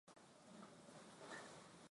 Nguo zifufuliwe.